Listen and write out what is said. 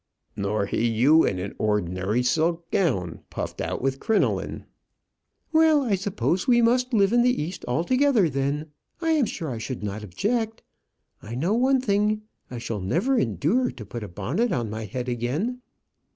"Nor he you in an ordinary silk gown, puffed out with crinoline." "Well, I suppose we must live in the East altogether then. I am sure I should not object. I know one thing I shall never endure to put a bonnet on my head again.